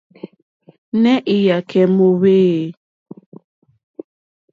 Nɛh Iyakɛ mɔhvɛ eeh?